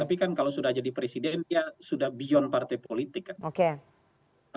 tapi kan kalau sudah jadi presiden ya sudah beyond partai politik kan